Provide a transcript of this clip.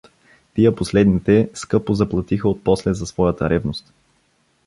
Тия последните скъпо заплатиха отпосле за своята ревност.